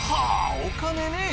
お金ね。